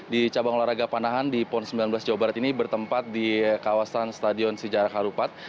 di cabang olahraga panahan di pon sembilan belas jawa barat ini bertempat di kawasan stadion sejarah harupat